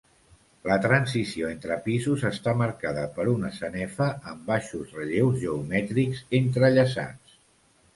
La transició entre pisos està marcada per una sanefa amb baixos relleus geomètrics entrellaçats.